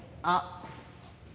あっ。